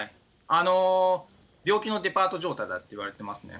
病気のデパート状態だっていわれてますね。